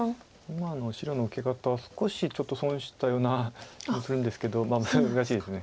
今の白の受け方は少しちょっと損したような気もするんですけど難しいですね。